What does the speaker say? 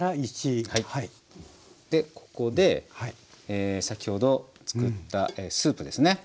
でここで先ほど作ったスープですね。